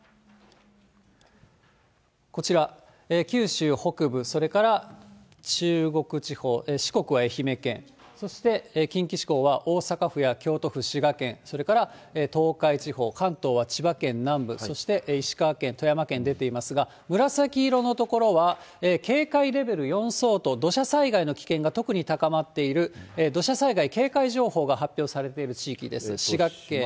こちら、九州北部、それから中国地方、四国は愛媛県、そして近畿地方は大阪府や京都府、滋賀県、それから東海地方、関東は千葉県南部、そして石川県、富山県に出ていますが、紫色の所は警戒レベル４相当、土砂災害の危険が特に高まっている、土砂災害警戒情報が発表されている地域です。